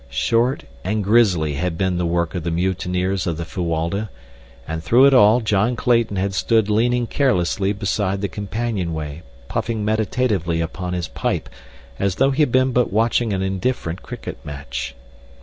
Short and grisly had been the work of the mutineers of the Fuwalda, and through it all John Clayton had stood leaning carelessly beside the companionway puffing meditatively upon his pipe as though he had been but watching an indifferent cricket match.